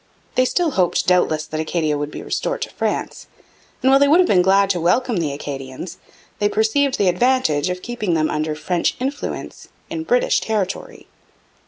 They still hoped doubtless that Acadia would be restored to France, and while they would have been glad to welcome the Acadians, they perceived the advantage of keeping them under French influence in British territory.